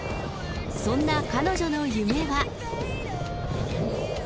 そんな彼女の夢は。